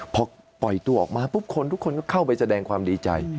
พอปล่อยตัวออกมาปุ๊บคนทุกคนก็เข้าไปแสดงความดีใจ